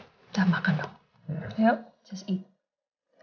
ya dan mama juga gak pernah nyalahin kamu